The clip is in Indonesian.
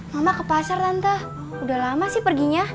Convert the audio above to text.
mama ke pasar tantah udah lama sih perginya